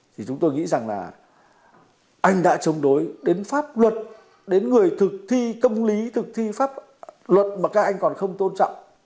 thì chúng tôi nghĩ rằng là anh đã chống đối đến pháp luật đến người thực thi công lý thực thi pháp luật mà các anh còn không tôn trọng